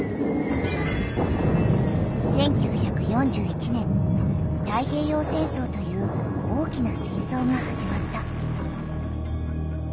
１９４１年太平洋戦争という大きな戦争がはじまった。